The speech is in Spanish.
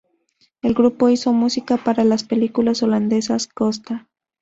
El grupo hizo música para las películas holandesas "Costa!